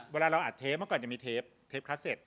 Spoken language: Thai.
เวลาเราอัดเทปเมื่อก่อนจะมีเทปเทปคัสเต็ต